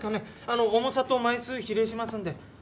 あの重さと枚数比例しますんで。